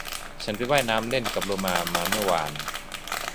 ฉันไปว่ายน้ำเล่นกับโลมามาเมื่อวาน